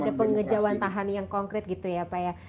ada pengejauhan tahan yang konkret gitu ya pak ya